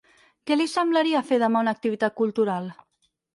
Què li semblaria fer demà una activitat cultural?